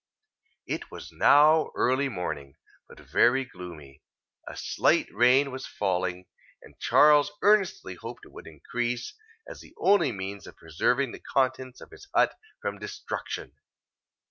It was now early morning, but very gloomy; a slight rain was falling, and Charles earnestly hoped it would increase, as the only means of preserving the contents of his hut from destruction.